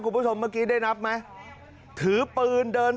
คุณผู้ชมเมื่อกี้ได้นับไหมถือปืนเดิน